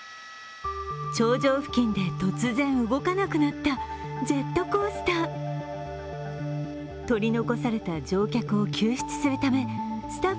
頂上付近で突然動かなくなったジェットコースター。